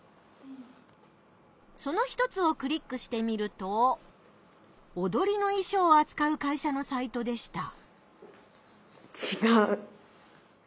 その一つをクリックしてみるとおどりのいしょうをあつかう会社のサイトでした。